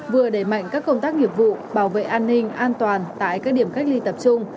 vừa đẩy mạnh các công tác nghiệp vụ bảo vệ an ninh an toàn tại các điểm cách ly tập trung